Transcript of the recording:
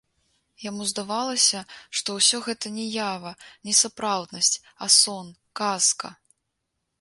Яму здавалася, што ўсё гэта не ява, не сапраўднасць, а сон, казка.